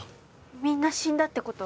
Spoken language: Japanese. みんな死んだってこと？